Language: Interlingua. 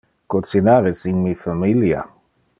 Cocinar es in mi familia.